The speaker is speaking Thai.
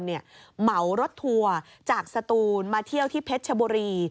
เหมารถทัวร์จากสตูนมาเที่ยวที่เพชรชบุรี